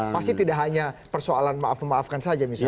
pasti tidak hanya persoalan maaf memaafkan saja misalnya